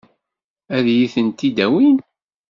Ad iyi-tent-id-awin?